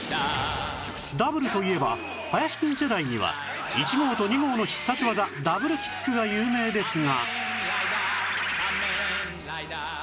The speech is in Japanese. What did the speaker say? Ｗ といえば林くん世代には１号と２号の必殺技ダブルキックが有名ですが